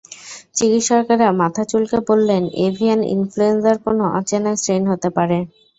চিকিৎসকেরা মাথা চুলকে বললেন, এভিয়ান ইনফ্লুয়েঞ্জার কোনো অচেনা স্ট্রেইন হতে পারে।